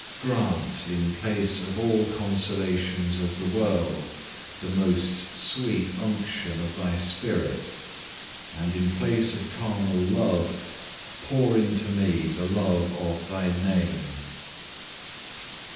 Grant, in place of all consolations of the world, the most sweet unction of Thy Spirit, and in place of carnal love, pour into me the love of Thy Name.